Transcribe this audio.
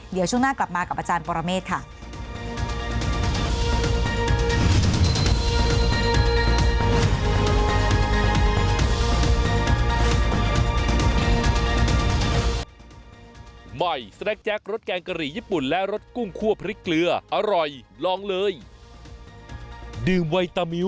เดี๋ยวช่วงหน้ากลับมากับอาจารย์ปรเมฆค่ะ